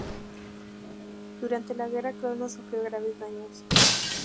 Durante la guerra Krosno sufrió graves daños.